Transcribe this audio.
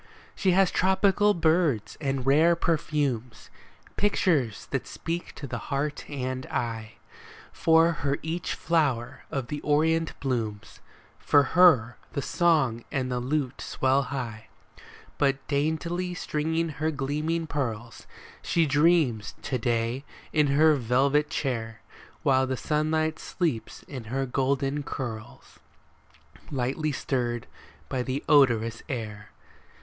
She has tropical birds and rare perfumes ; Pictures that speak to the heart and eye ; For her each flower of the Orient blooms, — For her the song and the lute swell high ; But daintily stringing her gleaming pearls She dreams to day in her velvet chair. While the sunlight sleeps in her golden curls, Lightly stirred by the odorous air.